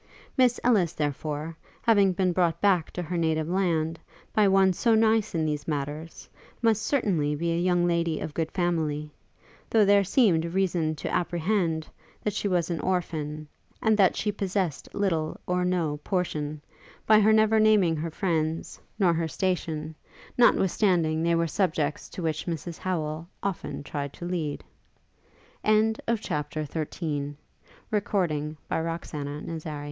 Miss Ellis, therefore, having been brought back to her native land, by one so nice in these matters, must certainly be a young lady of good family; though there seemed reason to apprehend, that she was an orphan, and that she possessed little or no portion, by her never naming her friends nor her situation, notwithstanding they were subjects to which Mrs Howel often tried to lead. CHAPTER XIV Lady Aurora being now perfectly well, and